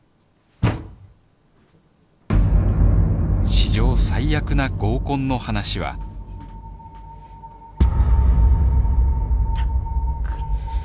史上最悪な合コンの話はたっくん。